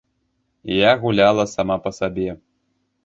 Я гуляла сама па сабе.